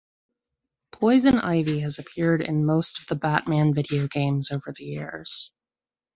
Poison Ivy has appeared in most of the Batman video games over the years.